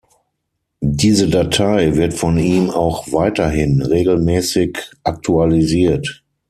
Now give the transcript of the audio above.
Diese Datei wird von ihm auch weiterhin regelmäßig aktualisiert.